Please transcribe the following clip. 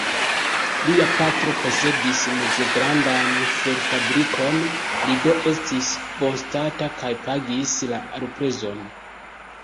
Lia patro posedis mezgrandan ferfabrikon, li do estis bonstata kaj pagis la luprezon.